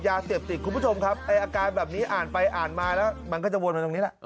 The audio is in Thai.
ยาเสพติดคุณผู้ชมครับไอ้อาการแบบนี้อ่านไปอ่านมาแล้วมันก็จะวนมาตรงนี้แหละ